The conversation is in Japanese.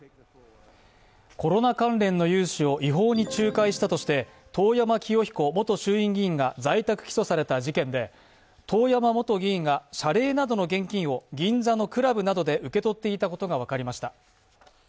コロナ関連の融資を違法に仲介したとして遠山清彦元衆院議員が在宅起訴された事件で遠山元議員が謝礼などの現金を銀座のクラブなどで受け取っていたことが分かりました。